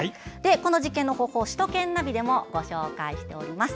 この実験の方法は首都圏ナビでもご紹介しています。